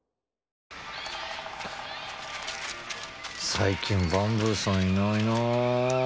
最近バンブーさんいないなあ。